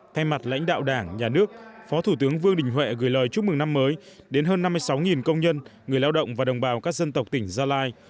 thay mặt lãnh đạo đảng nhà nước phó thủ tướng vương đình huệ gửi lời chúc mừng năm mới đến hơn năm mươi sáu công nhân người lao động và đồng bào các dân tộc tỉnh gia lai